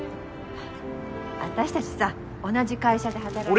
私たちさ同じ会社で働いて。